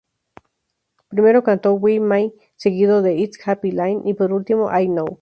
Primero cantó ""Why Me"", seguido de ""It's happy line"" y por último ""I know"".